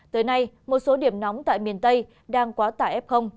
tới nay một số điểm nóng tại miền tây đang quá tải f